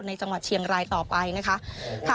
จังหวัดเชียงรายต่อไปนะคะ